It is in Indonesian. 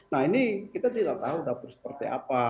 nah ini kita tidak tahu dapur seperti apa